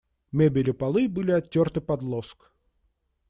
Мебель и полы были оттерты под лоск.